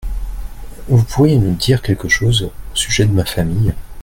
Vous pourriez nous dire quelque chose au sujet de ma famille ?